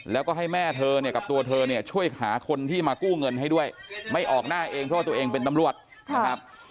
แล้วก็ให้แม่เธอเนี่ยกับตัวเธอเนี่ยช่วยหาคนที่มากู้เงินให้ด้วยไม่ออกหน้าเองเพราะว่าตัวเองเป็นตำรวจนะครับ